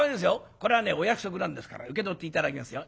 これはねお約束なんですから受け取って頂きますよ。